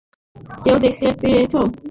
কেউ দেখতে পেয়েছো?